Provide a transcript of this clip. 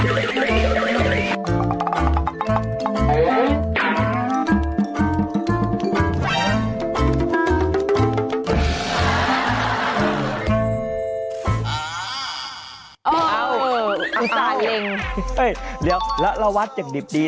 โปรดติดตามตอนต่อไป